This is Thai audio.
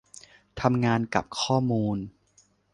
ทำงานกับข้อมูล